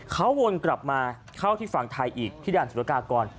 เขาวนกลับมาเข้าที่ฝั่งไทยอีกที่ด่านสุรกากร